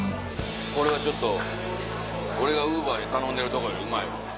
これはちょっと俺がＵｂｅｒで頼んでるとこよりうまい。